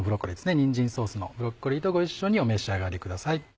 にんじんソースのブロッコリーとご一緒にお召し上がりください。